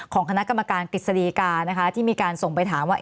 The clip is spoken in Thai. ของคณะกรรมการกฤษฎีกานะคะที่มีการส่งไปถามว่า